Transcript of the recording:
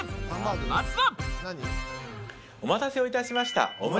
まずは。